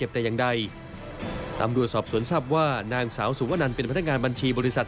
หนูรับโทรศัพท์ปุ๊บมันก็เซไปกลางฝุ่นบาตร